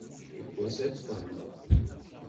Yiwwas ad tfehmeḍ.